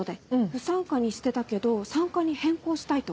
不参加にしてたけど参加に変更したいと。